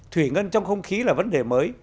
thủy ngân trong không khí là vấn đề mới